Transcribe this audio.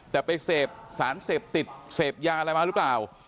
แต่ไปเสพสารเสพติดเสพยาอะไรมาหรือเปล่า